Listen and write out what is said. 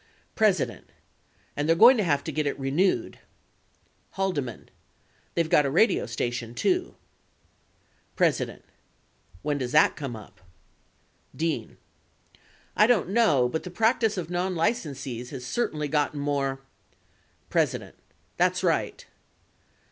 Preident. and they're going to have to get it renewed. Haldeman. They've got a radio station, too. President. When does that come up ? Dean. I don't know. But the practice of nonlicensees has certainly gotten more President. That's right.